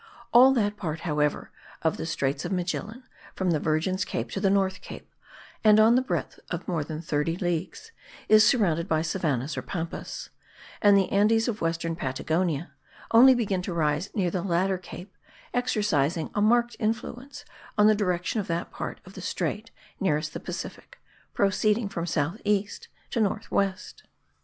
All that part, however, of the Straits of Magellan, from the Virgins' Cape to the North Cape, on the breadth of more than 30 leagues, is surrounded by savannahs or Pampas; and the Andes of western Patagonia only begin to rise near the latter cape, exercising a marked influence on the direction of that part of the strait nearest the Pacific, proceeding from south east to north west.